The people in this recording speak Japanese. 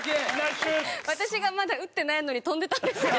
私がまだ打ってないのに跳んでたんですよ。